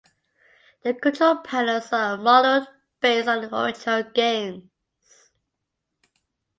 The control panels are modeled based on the original games.